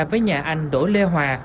với nhà anh đỗ lê hòa